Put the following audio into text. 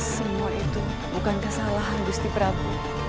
semua itu bukan kesalahan gusti prabu